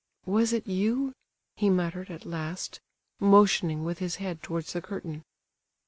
"Was it you?" he muttered, at last, motioning with his head towards the curtain.